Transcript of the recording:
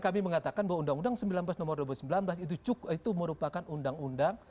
kami mengatakan bahwa undang undang sembilan belas nomor dua ribu sembilan belas itu merupakan undang undang